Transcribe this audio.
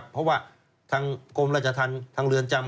เพราะว่าทางกรมราชธรรมทางเรือนจำ